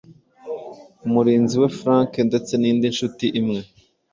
umurinzi we Frank ndetse n’indi nshuti imwe